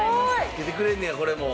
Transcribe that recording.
付けてくれんねやこれも。